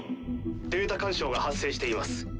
データ干渉が発生しています。